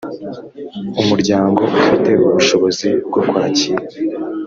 umuryango ufite ubushobozi bwo kwakira